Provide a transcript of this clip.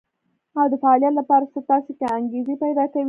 او د فعاليت لپاره څه تاسې کې انګېزه پيدا کوي.